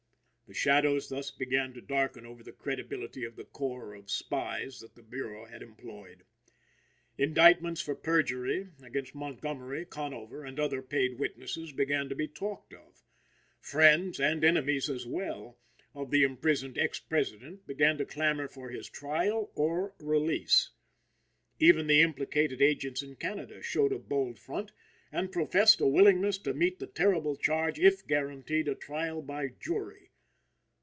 The shadows thus began to darken over the credibility of the corps of spies that the Bureau had employed. Indictments for perjury against Montgomery, Conover and other paid witnesses began to be talked of. Friends, and enemies as well, of the imprisoned ex President began to clamor for his trial or release. Even the implicated agents in Canada showed a bold front, and professed a willingness to meet the terrible charge if guaranteed a trial by jury.